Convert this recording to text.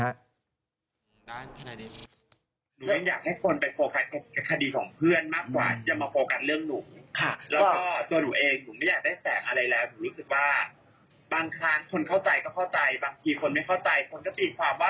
หนูยังอยากให้คนไปโฟกัสคดีของเพื่อนมากกว่าจะมาโฟกัสเรื่องหนู